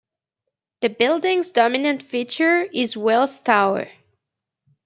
The building's dominant feature is Wills Tower.